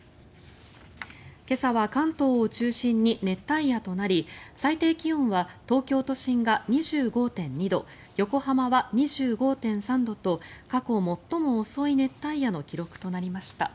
今朝は関東を中心に熱帯夜となり最低気温は東京都心が２５．２度横浜は２５．３度と過去最も遅い熱帯夜の記録となりました。